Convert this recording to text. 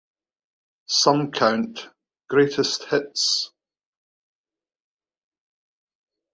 Some count "Greatest Hits".